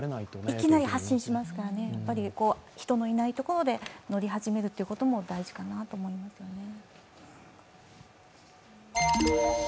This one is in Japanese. いきなり発進しますからね、人のいないところで乗り始めることも大事かなと思いますね。